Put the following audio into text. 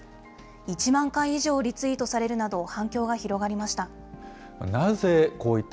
１万回以上リツイートされるなど反響が広がりました。